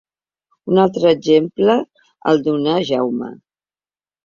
Un altre exemple el donà Jaume.